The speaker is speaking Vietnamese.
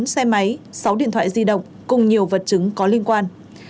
bốn xe máy sáu điện thoại di động cùng nhiều vật chứng có liên quan